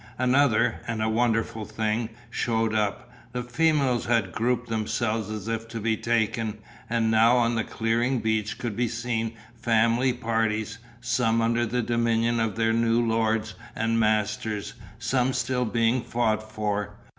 Another, and a wonderful thing, shewed up: the females had grouped themselves as if to be taken, and now on the clearing beach could be seen family parties, some under the dominion of their new lords and masters, some still being fought for.